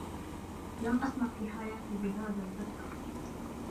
لم أسمع في حياتي بهذا البتة.